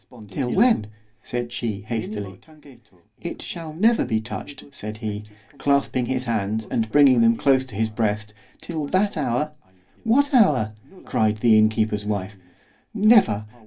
——Till when? said she hastily. It never shall be touched, said he, clasping his hands and bringing them close to his breast, till that hour—What hour? cried the inn keeper's wife.—Never!